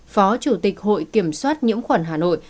phó chủ tịch hội kiểm soát nhiễm khuẩn hà nội